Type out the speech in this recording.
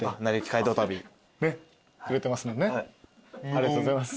ありがとうございます。